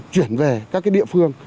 chuyển về các cái địa phương